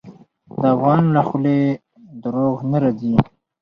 د افغان له خولې دروغ نه راځي.